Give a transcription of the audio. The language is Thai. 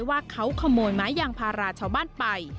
ว่าเขาขโมยไม้ยางพาราชาวบ้านไป